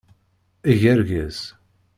Eg argaz!